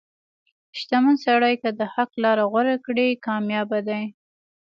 • شتمن سړی که د حق لار غوره کړي، کامیابه دی.